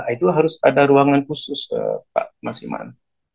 itu harus ada ruangan khusus pak mas iman